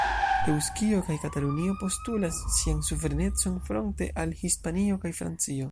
Eŭskio kaj Katalunio postulas sian suverenecon fronte al Hispanio kaj Francio.